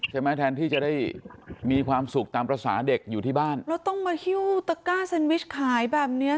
แทนที่จะได้มีความสุขตามภาษาเด็กอยู่ที่บ้านแล้วต้องมาหิ้วตะก้าเซนวิชขายแบบเนี้ย